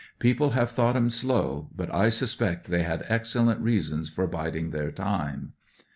"People have thought 'em slow, but I suspect they had excellent reasons for biding their time.